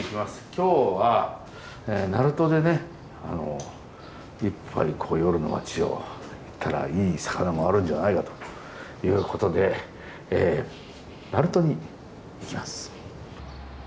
今日は鳴門でね１杯夜の街を行ったらいい魚もあるんじゃないかということで鳴門に行きます。